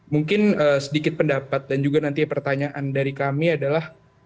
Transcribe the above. mungkin sedikit pendapat dan juga nanti pertanyaan dari kami adalah